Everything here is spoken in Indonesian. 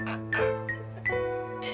atau ini dia